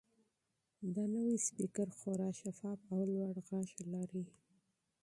دا نوی سپیکر خورا شفاف او لوړ غږ لري.